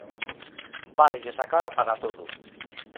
¡Válelles a cara para todo!